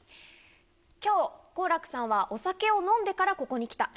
きょう、好楽さんはお酒を飲んでからここに来た。